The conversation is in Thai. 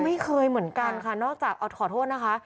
ไม่เคยเหมือนกันค่ะนอกจากเอาขอโทษนะคะ